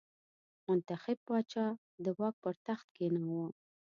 منتخب پاچا د واک پر تخت کېناوه.